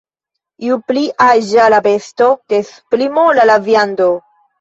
Ju pli aĝa la besto, des pli mola la viando.